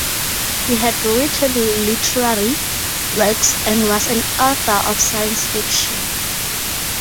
He had written literary works and was an author of science fiction.